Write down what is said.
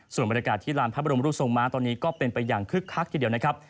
ส่วนบรรยากาศที่ลานพระบรมรูปทรงม้าตอนนี้ก็เป็นไปอย่างคึกคักทีเดียวนะครับ